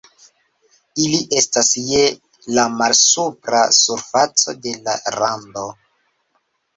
Ili estas je la malsupra surfaco de la rando.